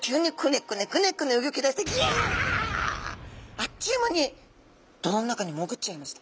あっちゅう間に泥の中にもぐっちゃいました。